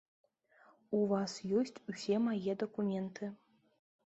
У вас ёсць усе мае дакументы.